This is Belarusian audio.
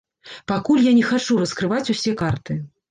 Пакуль я не хачу раскрываць усе карты.